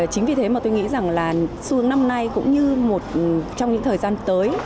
chính vì thế mà tôi nghĩ rằng là xu hướng năm nay cũng như trong những thời gian tới